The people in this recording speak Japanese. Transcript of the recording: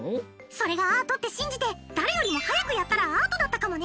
それがアートって信じて誰よりも早くやったらアートだったかもね。